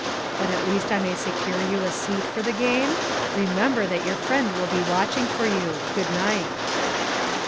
But at least I may secure you a seat for the game! Eemember that your friend will be watching for you. Good night."